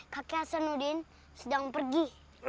kakek hasanuddin sedang pergi